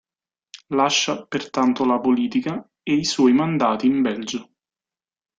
Lascia pertanto la politica ei suoi mandati in Belgio.